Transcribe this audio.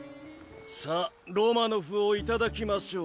さぁロマノフをいただきましょう。